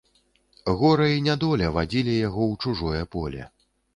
Гора і нядоля вадзілі яго ў чужое поле.